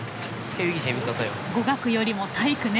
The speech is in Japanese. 語学よりも体育ね。